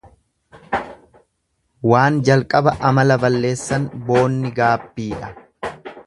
Waan jalqaba amala balleessan boonni gaabbiidha.